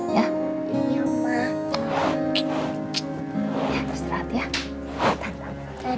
ya istirahat ya